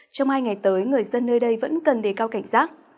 trong hai ngày tới người dân nơi đây vẫn cần đề cao cảnh giác